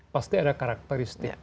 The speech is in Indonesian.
pasti ada karakteristik